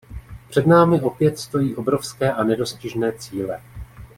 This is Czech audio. Před námi opět stojí obrovské a nedostižné cíle.